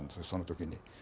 その時に。